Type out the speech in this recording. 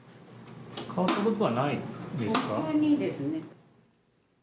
変わったことはないですか。